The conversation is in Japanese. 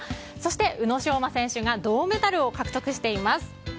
そして、宇野昌磨選手が銅メダルを獲得しています。